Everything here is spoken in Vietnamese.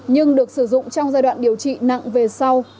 nhưng được sử dụng trong giai đoạn điều trị nặng về sau